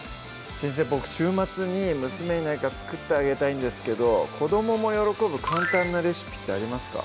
先生ボク週末に娘に何か作ってあげたいんですけど子どもも喜ぶ簡単なレシピってありますか？